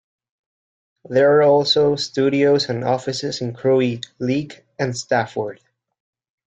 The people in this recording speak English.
There are also studios and offices in Crewe, Leek and Stafford.